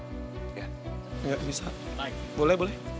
gak bisa boleh boleh